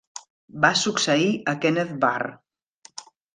Va succeir a Kenneth Barr.